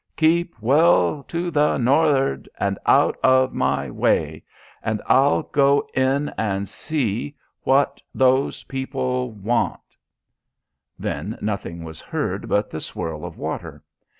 Keep well to the north'ard and out of my way and I'll go in and see what those people want " Then nothing was heard but the swirl of water.